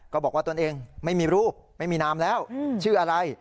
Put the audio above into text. บอกว่าตนเองไม่มีรูปไม่มีนามแล้วชื่ออะไร